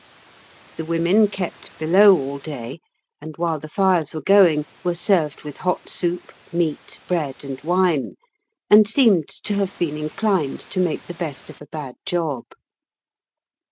The women kept below all day, and, while the fires were going, were served with hot soup, meat, bread, and wine, and seemed to have been inclined to make the best of a bad job.